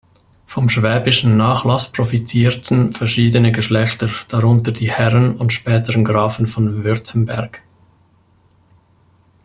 Vom schwäbischen Nachlass profitierten verschiedene Geschlechter, darunter die Herren und späteren Grafen von Württemberg.